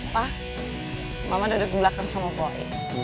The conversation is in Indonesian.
pak mama duduk belakang sama boy